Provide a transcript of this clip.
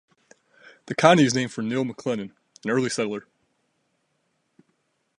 The county is named for Neil McLennan, an early settler.